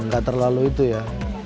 gak terlalu itu ya